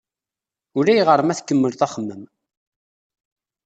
Ulayɣer ma tkemmled axemmem.